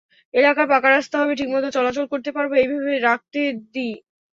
এলাকায় পাকা রাস্তা হবে, ঠিকমতো চলাচল করতে পারব—এই ভেবে রাখতে দিই।